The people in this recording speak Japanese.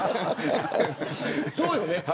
そうよね